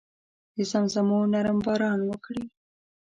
د زمزمو نرم باران وکړي